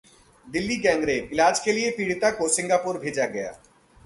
Delhi gangrape इलाज के लिए पीड़िता को सिंगापुर भेजा गया